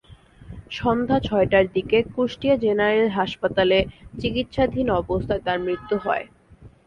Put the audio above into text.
সন্ধ্যা ছয়টার দিকে কুষ্টিয়া জেনারেল হাসপাতালে চিকিৎসাধীন অবস্থায় তাঁর মৃত্যু হয়।